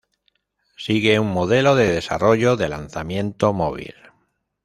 Sigue un modelo de desarrollo de lanzamiento móvil.